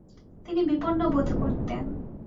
তিনি বিপন্ন বোধ করতেন।